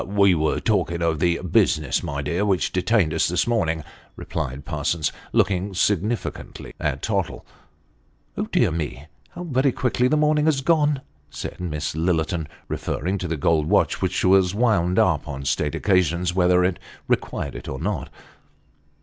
" We were talking of the business, my dear, which detained us this morning," replied Parsons, looking significantly at Tottle. " Dear me ! how very quickly the morning has gone," said Miss Lillerton, referring to the gold watch, which was wound up on state occasions, whether it required it or not.